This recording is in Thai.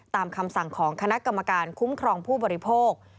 คำสั่งของคณะกรรมการคุ้มครองผู้บริโภค